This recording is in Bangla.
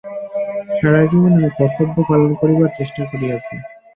সারা জীবন আমি কর্তব্য পালন করিবার চেষ্টা করিয়াছি।